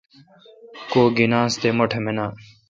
کوگینانس تے مٹھ مناں۔